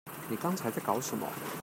你剛才在搞什麼？